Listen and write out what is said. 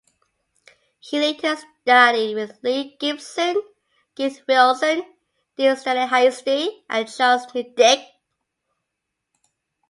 He later studied with Lee Gibson, Keith Wilson, D. Stanley Hasty, and Charles Neidich.